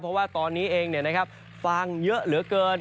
เพราะว่าตอนนี้เองฟางเยอะเหลือเกิน